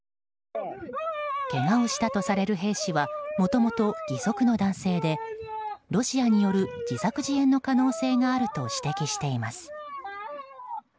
けがをしたとされる兵士はもともと義足の男性でロシアによる自作自演の可能性があると指摘しています。